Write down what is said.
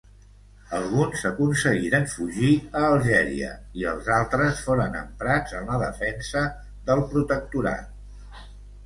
Alguns aconseguiren fugir a Algèria i els altres foren emprats en la defensa del Protectorat.